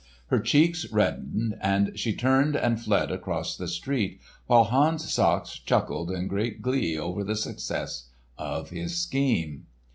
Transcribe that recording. Her cheeks reddened, and she turned and fled across the street, while Hans Sachs chuckled in great glee over the success of his scheme.